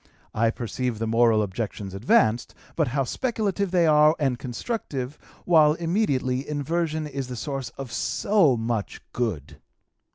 I perceive the moral objections advanced, but how speculative they are, and constructive; while, immediately, inversion is the source of so much good."